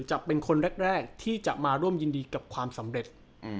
จะเป็นคนแรกที่จะมาร่วมยินดีกับความสำเร็จ